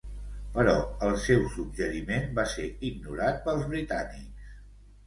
Però el seu suggeriment va ser ignorat pels britànics.